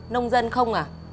nông dân không à